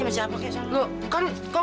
ya ya udah kong